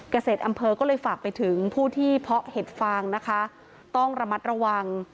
เกษตรอำเภอก็เลยฝากไปถึงผู้ที่เพาะเห็ดฟางนะคะต้องระมัดระวัง